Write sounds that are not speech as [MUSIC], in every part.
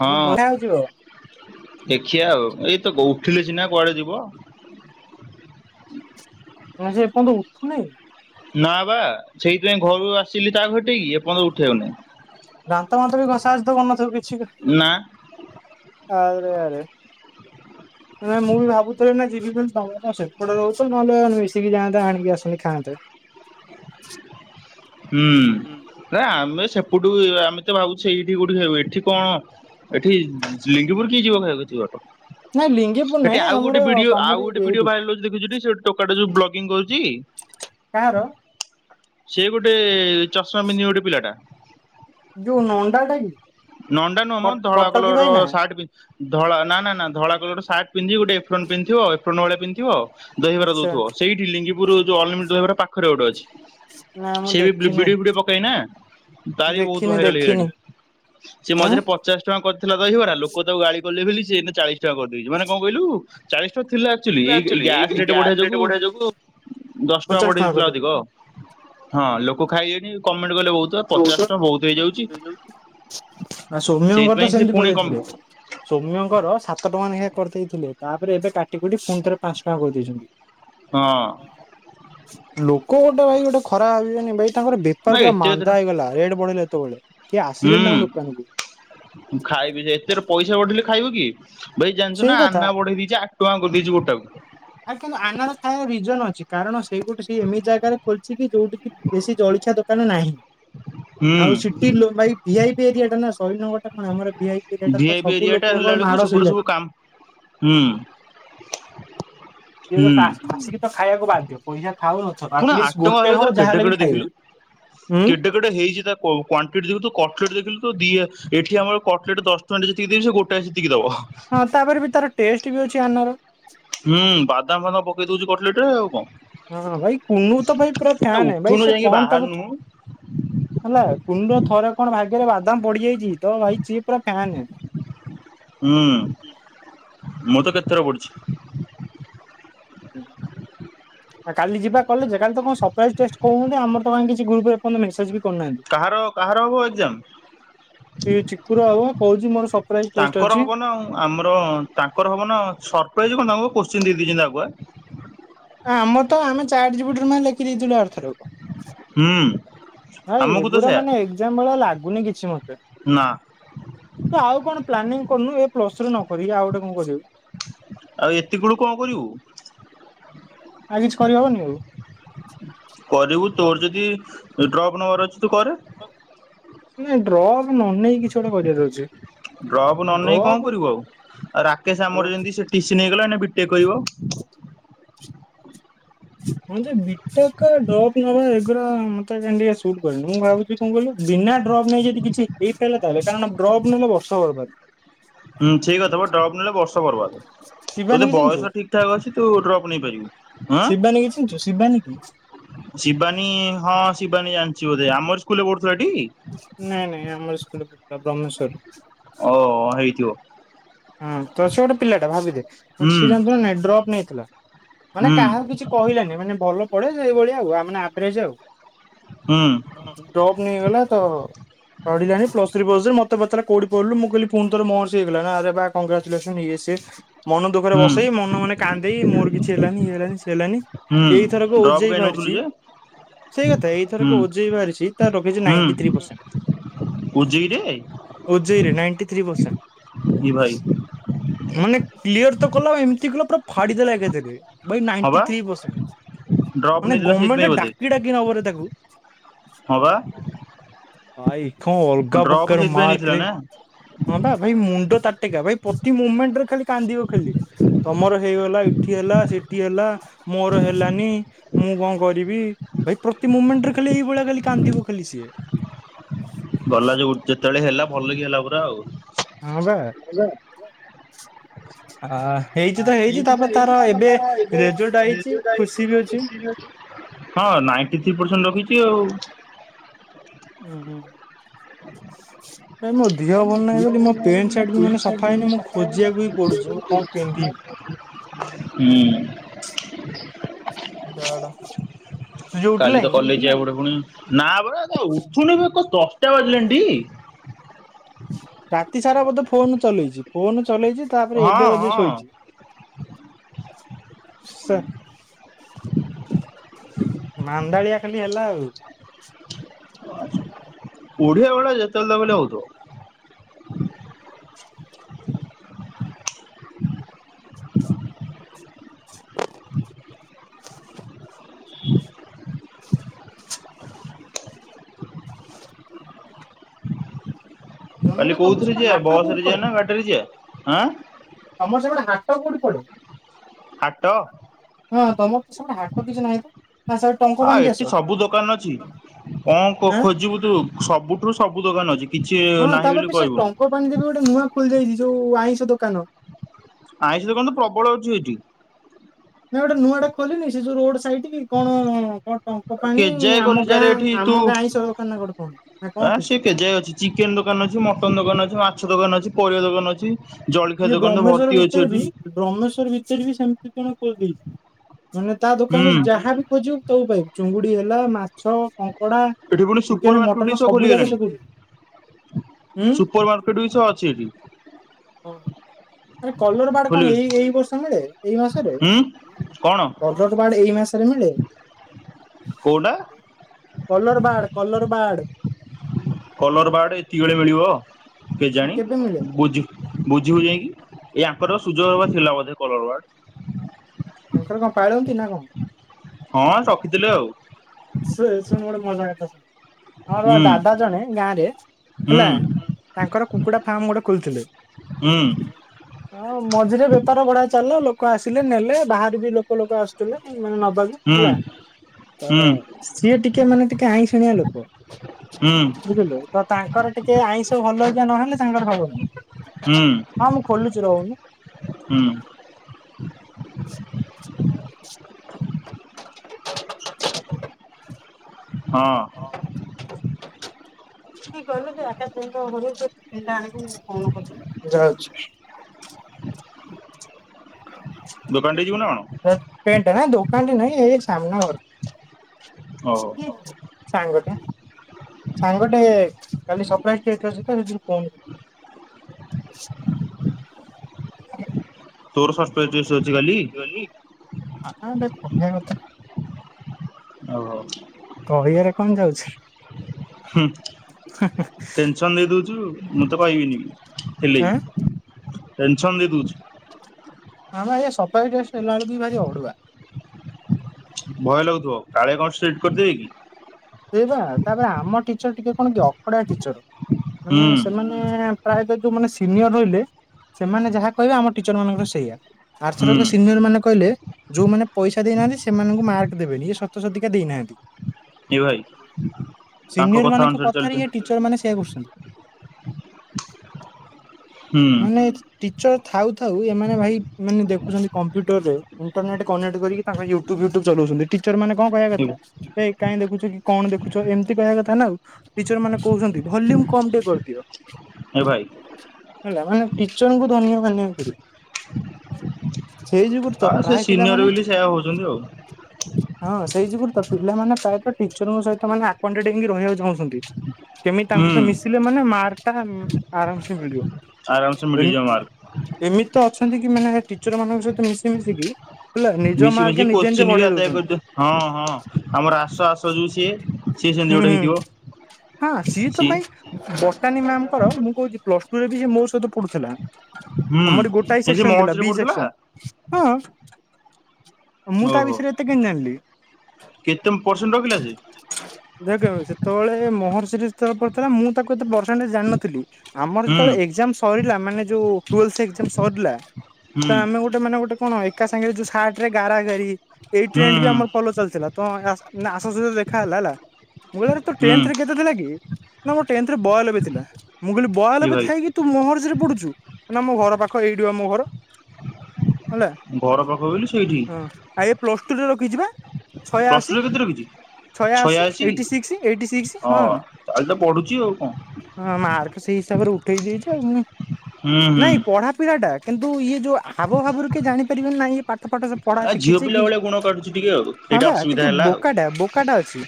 ହଁ ମୁଁ କହିଲି ଧରା ହେଇଯିବ ଦେଖିଆ ଆଉ ଏଇ ତ ଉଠିଲେ ସିନା କୁଆଡେ ଯିବ ଆଉ। ସେ ଏପର୍ଯ୍ୟନ୍ତ ଉଠୁନି? ନା ବା ସେଇଥିପାଇଁ ଘରୁ ଆସିଲି ତା ଘଟେଇକି ଏପର୍ଯ୍ୟନ୍ତ ଉଠେନି। ଦାନ୍ତ ଫନ୍ତ ବି ଘଷା ଘୁସି ବି କରନଥିବ କିଛି ନା। ଆ ଆରେ। ମୁଁ ବି ଭାବୁଥିଲି ନା ଯିବି ବୋଲି ତଙ୍ଗ ସେ କୋଟେ ରହୁଛ ନହେଲେ ମିଶିକି ଯାଆନ୍ତତା ଆଣିକି ଆସନ୍ତି ଖାଆନ୍ତେ। ହୁଁ ନା ଆମେ ସେପଟୁ ଆମେ ତ ଭାବୁଛ ଏଇଠି ଗୋଠିକେ ହେଉ ଏଠି କଣ ଏଠି ଲିଙ୍ଗପୁର କିଏ ଯିବ ଖାଇବାକୁ ଯିବା ନାଇଁ [UNINTELLIGIBLE] ଲିଙ୍ଗିପୁର ସେଠି ନାଇଁ ଆଉ ଆମର ଗୋଟେ ଭିଡିଓ ଆଉ ତମରି ଗୋଟେ ଭିଡିଓ ଏଇଠି ଭାଇରାଲ ହୋଉଛି ଦେଖୁଛୁ ତ ସେ ଟୋକା ଟେ ଯୋ ବ୍ଲଗିଙ୍ଗ କରୁଚି। କାହାର? ସେ ଗୋଟେ ଚଷମା ବିିନ୍ଧି ଗୋଟେ ପିଲା ଟା। ଯୋଉ ନଣ୍ଡା ଟା ନଣ୍ଡା ନୁହଁ ମ ଯୋଉ ଧଳା କଟକୀ ଭାଇ କଲର ନା ସଟ ପନ୍ଧ ଧଳା ନା ନା ଧଳା କଲର ସାର୍ଟ ପିନ୍ଧିବି ଗୋଟେ ଫ୍ରନ୍ ପିନ୍ଧଥିବ ଏଫ୍ରୋ ଭଳିଳେ ପିନ୍ଧିବ। ଦହିବାର ଆଚ୍ଛା ଦଉଥିବ, ସେଇଠି ଲିଙ୍ଗିପୁର ଯୋଉ ଅନଲିମିଟେଡ ଦହିବାର ପାଖରେ ଗୋଟେ ଅଛି। ନା ମୁଁ ସେ ବି ଦେଖିନି ଭିଡିଓ ଭିଡି ପକେଇନା ତାରି ବହୁତ ଦେଖିନି ଭାଇରାଲ ହେଇଗଲାଣି। ଦେଖିନି ସେ ଆଁ ମଝିରେ ପଚାଶ ଟଙ୍କା କରିଥିଲା ଦହିବ ନା ଲୋକ ତକୁ ଗାଳି କଲେ ବୋଲି ସେ ଚାଳିଶ ଟଙ୍କା କରିଦେଇଛି ମାନେ କଣ କହିଲୁ ଚାଳିଶଙ୍କା ଥିଲା। ଆଚୁ ଏଇ ଗ୍ୟାସ ରେଟ୍ ବଢେଇଆ ଯୋଗୁ ଦଶ ଟଙ୍କା ପଚାଶ ବଢେଇ ଦେଇଥିଲା କରିଦେଇଛି ଅଧିକ। ହଁ ଲୋକ ଖାଇବେନି କମେଣ୍ଟ କଲେ ବହୁତ, ପଚାଶ ଟଙ୍କା ବହୁତ ହେଇଯାଉଛି। ଆ ସୌମ୍ୟଙ୍କର ତ ସେଇଥିପାଇଁ ସେ ସେମିତି ପୁଣି କମ [UNINTELLIGIBLE] ସୌମ୍ୟଙ୍କର ସାତ ଟଙ୍କା ନେଖା କରିଦେଇଥିଲେ ତାପରେ ଏବେ କାଟି କୁଟି ଫୁଣି ଥରେ ପାଞ୍ଚ ଟଙ୍କା କରିଦେଇଛନ୍ତି। ହଁ। ଲୋକ ଗୋଟେ ଭାଇ ଗୋଟେ ଖରା ଭାବିବନି ଭାଇ ତାଙ୍କର ନା ବେପାର ପୁରା ଏତେ ଏତେ ମାନ୍ଦା ହେଇଗଲା ରେଟ୍ ବଢି଼ଲା ଯେତେବେଳେ। କିଏ ଆସିଲେନି ତାଙ୍କ ଦୋକାନକୁ ହୁଁ ଖାଇବି ସେ ଏତେରେ ପଇସା ବଢି଼ଲେ ଖାଇବେ କିଏ? ଭାଇ ଜାଣିଛୁ ସେଇ ନା କଥା। ଆନା ବଢ଼େଇ ଦେଇଛି ଆଠ ଟଙ୍କା କରିଦେଇଛି ଗୋଟାକୁ। ଆ କିନ୍ତୁ ଆନାର ଖାଇବାର ରିଜନ ଅଛି କାରଣ ସେଇ ଗୋଟେ ଏମିତି ଜାଗାରେ ଖୋଲିଛି କି ଯୋଉଠ କି ବେଶୀ ଜଳିଖିଆ ଦୋକାନ ନାହିଁ ହୁଁ ବୁଝିଲୁ। ଭ ଭିଆଇପି ଏରିଆ ଟା ନା ଶହିଦ୍ ନଗର ଟା କଣ ଆମର ଭ ଆଇ ପି ଏରିଆ ଟା ତ ଭିଆଇପି ସବୁ ଏରିଆ ଟା ହେଲା ଲୋକଙ୍କ ବେଳକୁ ମାଡ଼ ସେପଟେ ସଇଯା ସବୁ କାମ ହୁଁ। ଏ ହୁଁ ଆସିକି ତ ଖାଇବାକୁ ବାଧ୍ୟ ପଇସା ଥାଉ ନଥ ଶୁଣ ଆଠ ଆଟଲିଷ୍ଟ ଟଙ୍କା ହେଲେ ଗୋଟେ ତାର ହଉ ଯାହା ହେଲେ ବି ଖାଇବେ। ହୁଁ। ଯୋଟା ହେଇଚି ତା କୋ କ୍ବାଣ୍ଟିଟି ଯେହେତୁ କଟଲେଟ ଦେଖିଲୁ ତୁ ଦି ଏଠି ଆମର କ ଟ୍ଲେଟ୍ ଦଶ ଟଆଁରେ ଯେତିକି ଦିଏ ସେ ଗୋଟାଏ ସେତିକି ଦବ। ହଁ ତାପରେ ବି ତାର ଟେଷ୍ଟ ବି ଅଛି ଆନର। ହୁଁ ବାଦାମ ଫାଦାମ ପକେଇ ଦଉଛି କଟଲେଟ ଆଉ କଣ। ହଁ ହଁ ଭାଇ କୁନୁ ତ ଭାଇ ପୁରା ଆରେ ଫ୍ୟାନ୍ ଭାଇ ଉଠୁନୁ ସେ ଯାଇକି କଣ ତାକୁ ବାହାରନୁ। ହେଲା କୁନୁର ଥରେ କଣ ଭାଗ୍ୟରେ ବାଦାମ ପଡି଼ଯାଇଛି ତ ଭାଇ ସିଏ ପୁରା ଫ୍ୟାନ ହୁଁ ମୁଁ ତ କେତେ ଥର ପଢିଚି। ହ ଆ କାଲି ଯିବା କଲେଜେ କାଲି ତ କଂ ସପ୍ରାଇଜ ଟେଷ୍ଟ କହୁଅନ୍ତି ଆମର କାଇଁ କିଛି ଗ୍ରୁପରେ ଏ ପର୍ୟ୍ଯନ୍ତ ମେସେଜ୍ ବି କରିନାହାନ୍ତି। କାହାର କାହାର ହବ ଏକ୍ଜାମ। ସେ ଚିକୁର ହବ କହୁଛି ମୋର ସପ୍ରାଇଜ ଟେଷ୍ଟ ତାଙ୍କର ଅଛି। ହବ ନା ଆଉ ଆମର ତାଙ୍କର ହବ ନା ସରପ୍ରାଇଜ କଣ ତାଙ୍କୁ କୋସ୍ଚୀନ୍ ଦେଇ ଦେଇଛନ୍ତି ଆଗୁଆ। ଆମର ତ ଆମେ ଚାଟ୍ ଜିପିଟରୁ ମା ଲେଖି ଦେଇଥିଲୁ ଅର୍ଥରକ। ହୁଁ ନାଇ ଆମକୁ ତ ଏଗୁରା ସେୟା ମାନେ ଏକ୍ଜାମ ଭଳିଆ ଲାଗୁନି କିଛି ମତେ। ନା। ତୁ ଆଉ କଣ ପ୍ଲାନିଂ କରୁନୁ ଏ ପ୍ଲସଥ୍ରି ନ କରିକି ଆଉ ଗୋଟେ କଣ କରିବୁ। ଆଉ ଏତିକୁଳୁ କଂ କରିବୁ। ଆଉ କିଛି କରିହବନି ଆଉ। କରିବୁ ତୋର ଯଦି ଡ୍ରପ୍ ନବାର ଅଛି ତୁ କରେ। ନାଇ ଡ୍ରପ ନ ନେଇ କିଛି ଗୋଟେ କରିବାର ଅଛି। ଡ୍ରପ୍ ନ ନେଇ କଂ ଡ୍ରପ୍ କରିବୁ ଆଉ ରାକେଶ ଆମର ଯେମତି ସେଠ ଟିସି ନେଇଗଲା ଏନା ବି ଟେକ୍ କରିବ। ହଁ ଯେ ବି ଟେକ୍ ଡ୍ରପ ନବା ଏଗୁରା ମତେ କାଇଁ ଟିକେ ସୁଟ କରେନି ମୁଁ ଭାବୁ ସେ କଣ କହିଲୁ ବିନା ଡ୍ରପ୍ ନେଇ ଯଦି କିଛି ହେଇପାରିଲା ତାହେଲେ କାରଣ ଡ୍ରପ୍ ନେଲେ ବର୍ଷ ବର୍ବାଦ୍। ହୁଁ ଛେଇ କଥା ପା ଡ୍ରପ ନେଲେ ବର୍ଷ ବର୍ବାଦ ଶିବାନୀ ଜଦି କି ଚିହ୍ନିଛୁ ବୟସ ଠିକ ଠାକ୍ ଅଛି ତୁ ଡ୍ରପ୍ ନେଇପାରିବୁ। ହଁ ଶିବାନୀ କି ଚିନଛୁ ଶିବାନୀ? ଶିବାନୀ ହଁ ଶିବାନୀ ଜାନ୍ଚି ବୋଧେ ଆମ ସ୍କୁଲରେ ପଢୁଥିଲା ଟି। ନାଇଁ ନାଇଁ ଆମ ସ୍କୁଲରେ ପଡୁଥିଲା ବ୍ରହ୍ମେଶ୍ଵରରେ। ଓଉ ଅ ହେଇଥିବ। ହଁ ତ ସେ ଗୋଟେ ପିଲାଟା ଭାବି ଦେ ଗୋଟେ ହୁଁ ସିଏ ଜାଣିଚୁ ନା ନାଇ ଡ୍ରପ୍ ନେଇଥିଲା ମାନେ ହୁଁ କାହାକୁ କିଛି କହିଲାନି ମାନେ ଭଲ ପଢେ ସେଇଭଳିଆ ଆଉ ଆଉ ମାନେ ଆଭରେଜ ଆଉ। ହୁଁ। ଡ୍ରପ୍ ନେଇଗଲା ତ ପଢିଲାଣି ପ୍ଲସ ଥ୍ରି ଫ୍ଲ ଥ୍ରି ମତେ ପଚାରିଲା କଉଠି ପଢିଲୁ ମୁଁ କଇଲ ପୁଣିଥର ମହର୍ଷି ହେଇଗଲା ନା ଆରେ ବା କଂଗ୍ରାଚୁଲେସନ୍ ଇଏ ସିଏ। ମନ ଦୁଃଖରେ ହୁଁ। ବସେଇ ମନ ମନେ କାନ୍ଦେଇ ମୋର କିଛି ହେଲାନି ଇଏ ହେଲାନି ସିଏ ହେଲାନି ହୁଁ ଏଇ ଥରକୁ ଓ ଡ୍ରପ୍ ଜେ ଇ କାଇଁ ନଉଥିଲୁ ଭାଆରିଚି ଯେ ସେଇ କଥା ହୁଁ ଏଇଥରକ ଓ ଯେ ଇ ବାହାରିଛି ତାର ରଖିଚି ହୁଁ ନାଇଣ୍ଟି ଥ୍ରୀ ପରସେଣ୍ଟ। ଉଜିକିରେ ଓ ଜେ ଇ ରେ ନାଇଣ୍ଟି ଥ୍ରୀ ପରସେଣ୍ଟ। ଦି ଭାଇ। ମାନେ କ୍ଲିୟର ତ କଲା ଆଉ ଏମିତି କଲା ପୁରା ଫାଡିଦେଲା ଏକାଥରକେ। ଭାଇ ହଁ ନାଇଣ୍ଟି ବା ଥ୍ରୀ ପସେଣ୍ଟ ଡ୍ରପ୍ ମାନେ ନେଇଥିଲା ସେଇଥିପାଇଁ ଗମେଣ୍ଟ ବୋଧେ ଡାକି ଡାକି ନବରେ ତାକୁ। ହଁ ବା। ହଁ ଇଖ ଅଲଗା ଡ୍ରପ୍ ପ୍ରକାର ସେଇଥିପାଇଁ ନେଇଥିଲା ମାର୍କରେ ନା ହଁ ବା ଭାଇ ମୁଣ୍ଡ ତା ଟିକା ଭାଇ ପ୍ରତି ମୁମେଣ୍ଟ ରେ ଖାଲି କାନ୍ଦିବ ଖାଲି। ତମର ହେଇଗଲା ଏଠି ହେଲା ସେଠି ହେଲା ମୋର ହେଲାନି। ମୁଁ କଣ କରିବି ଭାଇ ପ୍ରତି ମୁମେଣ୍ଟରେ ଖାଲି ଏଇଭଳିଆ ଖାଲି କାନ୍ଦିବ ଖାଲି ସିଏ। ଗଲା ଯୋଉ ଯେତେବେଳେ ହେଲା ଭଲ କି ହେଲା ପୁରା ଆଉ। ହଁ ବା ହଁ। ହେଇଛି ତ ହେଇଛି ତାପରେ ତାର ଏବେ ରେଜଲ୍ଟ ଆଇଛି ଖୁସି ବି ଅଛି। [UNINTELLIGIBLE] ହଁ ନାଇଣ୍ଟି ଥ୍ରୀ ପରସେଣ୍ଟ ରଖିଛି ଆଉ। ଉଁ ହୁଁ ହୁଁଁ। [INAUDIBLE] ଭାଇ ମୋ ଦେହ ଭଲ ନାହିଁ ବୋଲି ମୋ ପ୍ୟାଣ୍ଟ ସାର୍ଟ ବି ମାନେ ସଫା ହେଇନି ମୁଁ ଖୋଜିବାକୁ ବି ପଡୁଛି ମୁଁ କଣ ପିନ୍ଧିବି। ହୁଁ। ଛାଡ ସୂର୍ଯ୍ୟ କାଲି ତ ଉଠିଲାଇଁ? କଲେଜ୍ ଯିବାକୁ ପଡିବ ପୁଣି। ନା ବେ ଏକା ଉଠୁନି ଏକ ଦଶଟା ବାଜିଲାଣି ଟି। [INAUDIBLE] ରାତି ସାରା ବୋଧେ ଫୋନ୍ ଚଲେଇଛି ଫୋନ ଚଲେଇଛି ତାପରେ ଏବେ ହଁ ବୋଧେ ହଁ ଶୋଇଛି। ସା ମାନ୍ଦାଳିଆ ଖାଲି ହେଲା ଆଉ। ଓଡ଼ିଆ ଗୁଡା ଯେତେବେଳେ ଲଗେଇଲେ ହୋଉ ଥିବ। [INAUDIBLE] [INAUDIBLE] ଜନ୍ମରେ କାଲି ତମର କୋଉଥିରେ ସେପଟେ ଯିବା ହାଟ ବସ କୋଉଠି ରେ ପଡେ? ଯିବା ନା ଗାଡିରେ ଯିବା ଆଁ? ତମର ସେପଟେ ହାଟ କୋଉଠି ପଡେ? ହାଟ? ହଁ ତମର ତ ସେପଟେ ହାଟ କିଛି ନାହିଁ ତ ଆସ ଟଙ୍କ ଆ ପାଣିକି ଏଠି ଆସ? ସବୁ ଦୋକାନ ଅଛି କଣ କୋ ଆଁ ଖୋଜିବୁ ତୁ ସବୁଠୁ ସବୁ ଦୋକାନ ଅଛି କିଛି ନାହିଁ ବୋଲି କହିବୁନି। ଦୋକାନ ଯେ ଏବେ ଗୋଟେ ନୂଆ ଖୋଲି ଯାଇଛି ଯୋଉ ଆଇଁଷ ଦୋକାନ। ଆଇଁଷ ଦୋକାନ ତ ପ୍ରବଳ ଅଛି ଏଠି। ନା ଗୋଟେ ନୂଆ ଟେ ଖୋଲିନି ସେ ଯୋଉ ରୋଡ଼ ସାଇଟ୍। ଟିକି କଣ କଣ ଟଙ୍କ ପାଣି କେଜାଏ ଗଲି ଆମ ଯାରେ ଗାଁ ଏଠି ତୁ ଆମ ଗାଁ ଆଇଁଷ ଦୋକାନ ନା ଗୋଟେ କଣ। ନାଁ କଣ କହୁଛୁ? ଚିକେନ୍ ଦୋକାନ ଅଛି ମଟନ୍ ଦୋକାନ ଅଛି ମାଛ ଦୋକାନ ଅଛି ପରିବା ଦୋକାନ ଅଛି। ଜଳିଖିଆ ଦୋକାନ ତ ଭର୍ତି ଅଛି ଏଠି। ରମେଶ୍ଵର ଭିତରେ ବି ସେମିତି କଣ ଖୋଲି ଦେଇଚି ମାନେ ତା ଦୋକାନ ହୁଁ ରେ ଯାହାବି ଖୋଜିବ ତୋ ପାଇଁ ଚୁଙ୍ଗୁଡି ହେଲା ମାଛ କଙ୍କ ଏଠି ଫୁଣି ସୁପର ମାର୍କେଟସ ଯାକ ଖୋଲିଗଲାଣି ସେ କରୁଛି। ହୁଁ। ସୁପର ମା ସେଠୁ ଦୁଇଷ ଅଛି ଏଠି। ଅଁ ହଁ ଆରେ କଲର୍ ବାଡ କଣ ଖୋଲିଗଲେ ଏଇ ଏଇ ବର୍ଷ ଅଣାଯାଏ ଏଇ ମାସରେ? ହୁଁ କଣ କଲଜ ବାଡ୍ ଏଇ ମାସରେ ମିଳେ? କୋଉଟା? କଲର ବାଡ କଲର ବାଡ। କଲର୍ ବାର୍ଡ଼ ଏତିକିିବେଳେ ମିଳିବ ନା କେଜାଣି କେବେ ମିଳେ ବୁଝି ବୁଝିବୁ ଯାଇକି, ଏଇ ଆଙ୍କର ସୁଯୋଗବା ଥିଲା ବୋଧେ କଲର ୱାର୍ଡ। ତାଙ୍କର କଣ ପାଳନ୍ତି ନା କଣ? ହଁ ରଖିଥିଲେ ଆଉ। ଶୁଏ ଶୁଣ ଗୋଟେ ମଜା କଥା ଶୁଣ। ଆମର ହୁଁ ଦାଦା ଜଣେ ଗାଁ ରେ ହୁଁ ହେଲା ତାଙ୍କର କୁକୁଡା ଫାର୍ମ ଗୋଟେ ଖୋଲିଥିଲେ। ହୁଁ। ହଁ ମଝିରେ ବେପାର ବଢ଼ିଆ ଚାଲା, ଲୋକ ଆସିଲେ ନେଲେ ବାହାରେ ବି ଲୋକ ଲୋକ ଆସୁଥିଲେ ମାନେ ନବାକୁ। ହୁଁ ହେଲା ତ ହୁଁ। ସିଏ ଟିକେ ମାନେ ଟିକେ ଆଇଁଶୁଣିଆଁ ଲୋକ। ବୁଝିଲୁ ତ ତାଙ୍କର ଟିକେ ଆଇଁଷ ଭଲ କି ନହେଲେ ତାଙ୍କର ହବନି। ହୁଁ ହୁଁ। ହଁ। ହଁ। [INAUDIBLE] ଦୋକାନ ଟେ ଯିବୁ ନା କଣ ପେଣ୍ଟ ନା ଦୁକାନଟେ ନହିଁ ଏ ସାମ୍ନା ଘର ଓହୋ [UNINTELLIGIBLE] [INAUDIBLE] ତୋର ଷଠ [UNINTELLIGIBLE] ଅଛି କାଲି? ଆ ଏଟା କହିବା କଥା। ଓହୋ। କହିବାରେ କଣ ଯାଉଛି ହୁଁ ଟେନସନ ଦେଇ ଦଉଚୁ। ମୁଁ ତ କଇବିନି ଆଁ ହେଲେବି ଟେନସନ୍ ଦେଇ ଦୋଉଚୁ। ଆମେ ଏ [UNINTELLIGIBLE] ଭାରି ଅଡୁଆ। ଭୟ ଲାଗୁଥିବ। କାଳେ କଣ ଷ୍ଟେଟ୍ କରିଦେବେ କି? ସେଇପା ତାପରେ ଆମ ଟିଚର ଟିକେ କଣ କି ଅଖଡା ଟିଚର। ହୁଁ ମାନେ ସେମାନେ ପ୍ରାୟତଃ ଯୋଉ ମାନେ ସିନିୟର ରହିଲେ ସେମାନେ ଯାହା କହିବେ ଆମ ଟିଚର ମାନଙ୍କର ସେଇଆ। ହୁଁ ଆରଥରକ ସିନିୟର ମାନେ କହିଲେ ଯୋଉମାନେ ପଇସା ଦେଇନାହାନ୍ତି ସେମାନଙ୍କୁ ମାର୍କ ଦେବେନି। ଇଏ ଶତଶତିକା ଦେଇନାହାନ୍ତି। ଏ ଭାଇ ତାଙ୍କ ସିନିୟର କଥା ମାନଙ୍କ ଅନୁସାରେ କଥାରେ ଇଏ ଚାଲିଛନ୍ତି ଟିଚର ମାନେ ସେଇଆ କରୁଚନ୍ତି। ମାନେ ଟିଚର ଥାଉ ଥାଉ ଏମାନେ ଭାଇ ମାନେ ଦେଖୁଚନ୍ତି କମ୍ପ୍ୟୁଟର ରେ ଇଣ୍ଟରନେଟ୍ କନେକ୍ଟ କରିକି ତାଙ୍କ ୟୁ ଟ୍ୟୁବ ଫିଉ ଟ୍ୟୁବ ଚଲଉଚନ୍ତି। ଟିଚର ମାନେ କଣ କହିବା ହୁଁ କଥା? ଏଇ କାଇଁ ଦେଖୁଚ କି କଣ ଦେଖଚ ଏମିତି କହିବା କଥା ନାଉ। ଟିଚର ମାନେ କହୁଚନ୍ତି ଭଲ୍ୟୁମ କମ ଟିକେ କରିଦିଅ। ହେ ଭାଇ। ହେଲା ମାନେ ଟିଚର ଙ୍କୁ ଧନିଅ ମାନିବାକୁ ପଡିବ। ସେଇ ଯୁଗରୁ ଆ ତ ସେ ପ୍ରାୟ ସିନିୟର ପିଲାମାନେ ବୋଲି ସେୟା ହଉଛନ୍ତି ଆଉ ହଁ ସେଇ ଯୁଗୁରୁ ତ ପିଲାମାନେ ପ୍ରାୟତଃ ଟିଚରଙ୍କ ସହିତ ମାନେ ଆକ୍ୱାନଟେଡ଼ ହେଇକି ରହିବାକୁ ଚାହୁଁଚନ୍ତି। କେମିତି ତାଙ୍କ ହୁଁ ସହିତ ମିଶିଲେ ମାନେ ମାର୍କ ଟା ଆରାମସେ ମିଳିବ। ଆରାମ ସେ ଏମିତି ମଳିଯିବ ମାର୍କ। ଏମିତି ତ ଅଛନ୍ତି କି ମାନେ ଟିଚର ମାନଙ୍କ ସହିତ ମିଶି ମିଶିକି ହେଲା ନିଜ ମିଶି ମିଶି ମାର୍କ ନିଜେ ନିଜେ କୋଶ୍ଚିନ୍ ବି ବଢେଇ ଆଦାୟ ଦଉଚନ୍ତି। କରିଦିଅ ହଁ ହଁ ଆମର ଆସ ଆସ ଯେଉ ସିଏ ସିଏ ସେମିତି ହୁଁ ଗୋଟେ ହେଇଥିବ ସିଏ। ବର୍ଟାନୀ ମ୍ୟାାମଙ୍କର ମୁଁ କହୁଚି ପ୍ଲସ ଟୁ ରେ ବି ସେ ମୋ ସହିତ ପଢୁଥିଲା। ହୁଁ ତମର ଗୋଟାଏ ଏ ସେ ସେକ୍ସନ ଥିଲା ମହର୍ଷିରେ ବି ପଢୁଥିଲା ସେକ୍ସନ ହଁ। ମୁଁ ତା ଓହୋ ବିଷୟରେ ଏତେ କେମିତି ଜାଣିଲି। କେତେ ପରସେଣ୍ଟ ରଖିଲା ସେ? ଦେଖେ ଯେତବେଳେ ମହର୍ଷିରେ ଯେତେବେଳେ ପଢୁଥିଲା ମୁଁ ତାକୁ ଏତେ ପରସେଣ୍ଟେଜ ଜାଣିିନଥିଲି। ଆମର ହୁଁ ଯେତେବେଳେ ଏଗଜାମ ସରିଲା ମାନେ ଯୋଉ ଟୁଏଲଥ ଏଗଜାମ ସରିଲା। ହୁଁ। ତ ଆମେ ଗୋଟେ ମାନେ ଗୋଟେ କଣ ଏକା ସାଙ୍ଗେରେ ଯୋଉ ସାର୍ଟରେ ଗାରା ଗାରି ଏଇ ଟ୍ରେଣ୍ଡ ବି ହୁଁ ଆମର ଫଲୋ ଚାଲଥିଲା। କଣ ଆସ୍ ନା ଆସୋସେସନ୍ ଦେଖା ହେଲା ହେଲା। ମୁଁ କହିଲି ଆରେ ତୋର ହୁଁ ହୁଁ ଟେନ୍ଥରେ କେତେ ଥିଲା କି ନା ମୋର ଟେନ୍ଥରେ ବୟାଲବେ ଥିଲା ମୁଁ କହିଲି ଏ ବୟାଲବେ ଭାଇ ଥାଇକି ତୁ ମହର୍ଷି ରେ ପଡୁଚୁ ନା ମୋ ଘର ପାଖ ଏଇଠୁ ପା ମୋ ଘର। ହେଲା ଘର ପାଖ ବୋଲି ସେଇଠି ହଁ ଆଉ ଏ ପ୍ଲସ ଟୁ ରେ ରଖିଚି ପା। ପ୍ଲସ ଛୟାଅଶି ଟୁରେ କେତେ ରଖିଛି ଛୟାଅଶି। ଛୟାଅଶୀ ଏଇଟି ସିକ୍ସ ଏଇଟି ସିକ୍ସ ହଁ। ତାହେଲେ ତ ପଢୁଛି ଆଉ କଣ ହଁ ମାର୍କ ସେଇ ହିସାବରେ ଉଠେଇ ଦେଇଛି ଆଉ ହୁଁ ହୁଁ ନାଇଁ ପଢା ପିିଲା ଟା କିନ୍ତୁ ଇଏ ଯୋଉ ହାବ ଭାବରୁ କିଏ ଜାଣିପାରିବେନି ନାଇଁ ଇଏ ପାଠ ଫାଠ ସ ପଢା ଆ ଝିଅ ଶିଖିଛି ପିଲା କି ଭଳିଆ ଗୁଣ କାଟୁଛି ଟିକେ ଆଉ ହଁ ସେଇଟା ବା ଅସୁବିଧା ଟିକେ ହେଲା ଆଉ ବୋକାଟା ବୋକାଟା ଅଛି।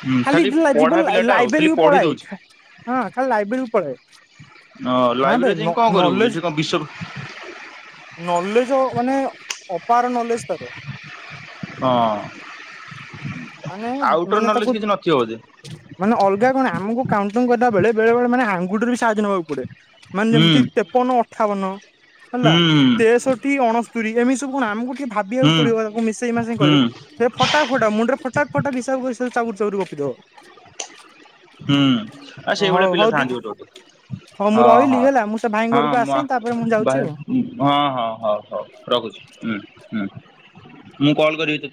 ହୁଁ ଖାଲି [UNINTELLIGIBLE] ପଢା ଯିବ ପିଲାଟା ଆଉ ଖାଲି ଲା-ଲାଇବ୍ରେରୀକୁୁ ପଢି ପଳାଏ ଦଉଛି ଖା ହଁ ଖାଲି ଲାଇବ୍ରେରୀକୁୁ ପଳାଏ। ହଁ ନା ବେ ଲାଇବ୍ରେରୀରେ ଯାଇକି କଣ କରିବୁ ନଲେଜ ଏଇଠି କଣ ବିଶ୍ୱ ନଲେଜ ମାନେ ଅପାର ନଲେଜ ତାର। ହଁ ମାନେ ଆଉଟର ମାନେ ତାକୁ ନଲେଜ କିଛି ନଥିବ ବୋଧେ। ମାନେ ଅଲଗା କଣ ଆମୁକୁ କାଉଣ୍ଟିଂ କଲାବେଳେ ବେଳେ ବେଳେ ମାନେ ଆଙ୍ଗୁଠି ରୁ ସାହାଯ୍ୟ ନବାକୁ ପଡେ ମାନେ ହୁଁ ଯେମିତି ତେପନ ଅଠାବନ ହେଲା ହୁଁ ତେଷଠି ଅଣ ସ୍ତୁରି ଏମିତି ସବୁ କଣ ଆମୁକୁ ଟିକେ ଭାବିବାକୁ ହୁଁ ପଡିବ ତାକୁ ମିସେଇ ମାସେଇ ହୁଁ କହିବ ସେ ଫଟା ଫଟ ମୁଣ୍ଡ ରେ ଫ ଟା ଫଟ ହିସାବ କରି ସାରି ଚାବୁର ଚାବୁର ଗପି ଦବ। ହୁଁ ଆଉ ସେଇ ଭଳିଆ ହଉ ପିଲା ହଉ ଥାଆନ୍ତି ଟିକେ ଗୋଟେ ଗୋଟେ। ହଉ ମୁଁ ହଁ ରହିଲି ହଁ ହେଲା ମୁଁ ସେ ଭାଇ ହଁ ଘରକୁ ଆସେ ମ ତାପରେ ମୁଁ ଯାଉଛି ବାଏ। ଆଉ। ହଁ ହଁ ହଉ ହଉ ରଖୁଛି ହୁଁ ହୁଁ ମୁଁ କଲ୍ କରିବି ତ